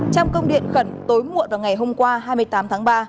trong công điện khẩn tối muộn vào ngày hôm qua hai mươi tám tháng ba